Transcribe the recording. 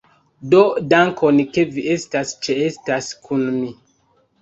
Do dankon! Ke vi ĉiam ĉeestas kun mi!